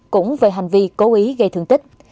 cũng về hành vi cố ý gây thường tích